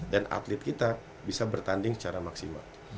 dan atlet kita bisa bertanding secara maksimal